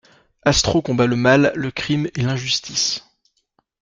Astro combat le mal, le crime et l'injustice.